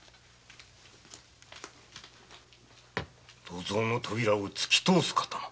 土蔵の扉を突き通す刀！？